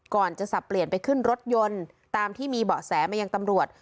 ก่อนจะสับเปลี่ยนไปขึ้นรถยนต์ตามที่มีเบาะแสมายังตำรวจ